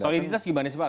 soliditas gimana sih pak